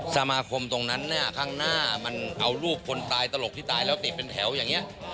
สมาคมตรงนั้นเนี่ยข้างหน้ามันเอารูปคนตายตลกที่ตายแล้วติดเป็นแถวอย่างนี้